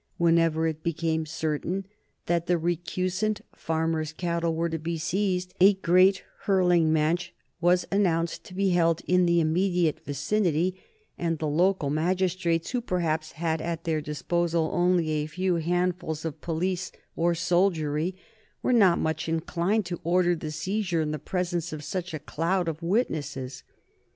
Whenever it became certain that the recusant farmer's cattle were to be seized, a great hurling match was announced to be held in the immediate vicinity, and the local magistrates, who perhaps had at their disposal only a few handfuls of police or soldiery, were not much inclined to order the seizure in the presence of such a cloud of witnesses.